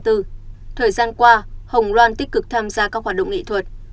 thời gian qua hồng loan tích cực tham gia các hoạt động nghệ thuật